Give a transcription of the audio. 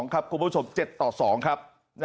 คุณผู้ชม๗ต่อ๒ครับ